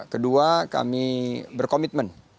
kedua kami berkomitmen